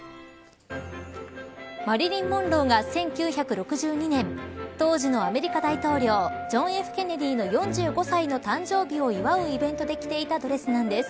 マリリン・モンローが１９６２年当時のアメリカ大統領ジョン・Ｆ・ケネディの４５歳の誕生日を祝うイベントで着ていたドレスなんです。